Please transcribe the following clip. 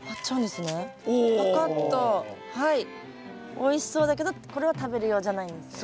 おいしそうだけどこれは食べる用じゃないんですよね。